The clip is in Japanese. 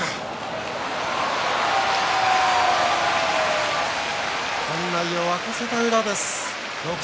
拍手館内を沸かせた宇良です。